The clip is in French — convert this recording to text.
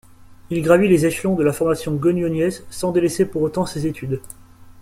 Il gravit les échelons de la formation gueugnonaise, sans délaisser pour autant ses études.